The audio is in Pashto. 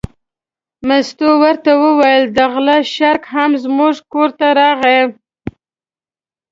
مستو ورته وویل: د غله شړک هم زموږ کور ته راغی.